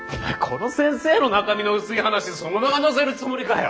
この先生の中身の薄い話そのまま載せるつもりかよ。